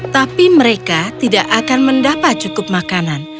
tapi mereka tidak akan mendapat cukup makanan